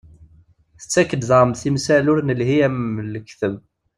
Tettak-d daɣen timsal ur nelhi am lekteb.